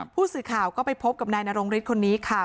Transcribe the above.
ผู้สื่อข่าวก็ไปพบกับนายนรงฤทธิ์คนนี้ค่ะ